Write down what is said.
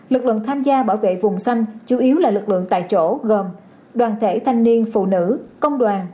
lực lượng tham gia bảo vệ vùng xanh chủ yếu là lực lượng tại chỗ gồm đoàn thể thanh niên phụ nữ công đoàn